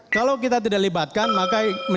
kalau kita tidak libatkan kita akan menyebatkan